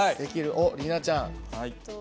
おっ里奈ちゃん。